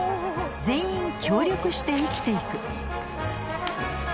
全員協力して生きていく。